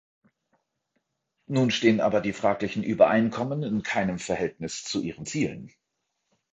Nun stehen aber die fraglichen Übereinkommen in keinem Verhältnis zu ihren Zielen.